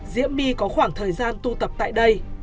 diễm my có khoảng thời gian tu tập tại đây